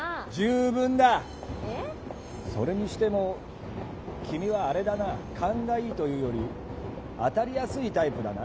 それにしても君はあれだな「カンがいい」というより「あたりやすい」タイプだな。